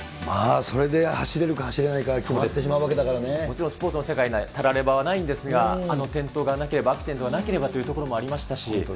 それで走れるか走れないかがもちろんスポーツの世界に、たらればはないんですが、あの転倒がなければ、アクシデントがなければということもありましたし。